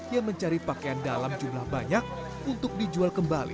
yang mencari pakaian dalam jumlah banyak untuk dijual kembali